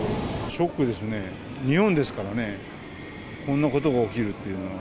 ショックですね、日本ですからね、こんなことが起きるっていうのは。